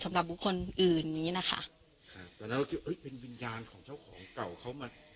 สำหรับบุคคลอื่นอย่างงี้นะคะครับตอนนั้นเราคิดเอ้ยเป็นวิญญาณของเจ้าของเก่าเขามา